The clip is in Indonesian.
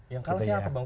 yang kalah siapa bang